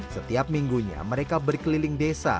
setiap minggunya mereka berkeliling desa